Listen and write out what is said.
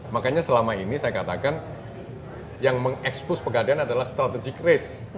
makanya selama ini saya katakan yang mengekspos pegadean adalah strategi risk